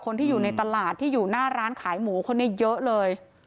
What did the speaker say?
คนที่อยู่ในตลาดที่อยู่หน้าร้านขายหมูคนนี้เยอะเลย